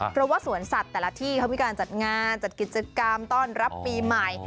เพราะว่าสวนสัตว์แต่ละที่เขามีการจัดงานจัดกิจกรรมต้อนรับปีใหม่